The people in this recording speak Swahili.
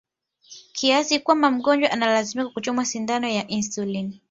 kiasi kwamba mgonjwa analazimika kuchomwa sindano ya insulini